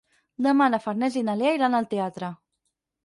Demà na Farners i na Lea iran al teatre.